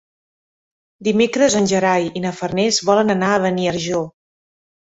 Dimecres en Gerai i na Farners volen anar a Beniarjó.